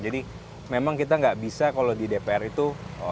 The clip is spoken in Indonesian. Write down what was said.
jadi memang kita nggak bisa kalau di dpr itu